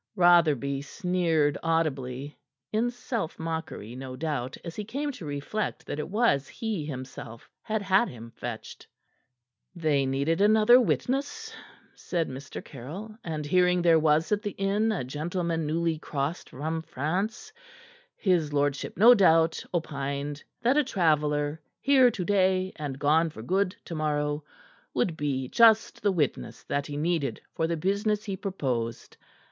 Rotherby sneered audibly in self mockery, no doubt, as he came to reflect that it was he, himself, had had him fetched. "They needed another witness," said Mr. Caryll, "and hearing there was at the inn a gentleman newly crossed from France, his lordship no doubt opined that a traveller, here to day and gone for good tomorrow, would be just the witness that he needed for the business he proposed.